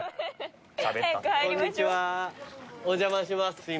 お邪魔します